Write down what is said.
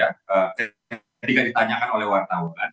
ketika ditanyakan oleh wartawan